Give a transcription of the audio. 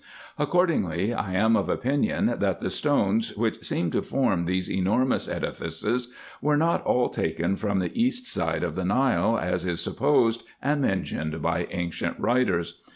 Accordingly I am of opinion, that the stones which seem to form these enormous edifices were not all taken from the east side of the Nile, as is supposed and mentioned by ancient writers.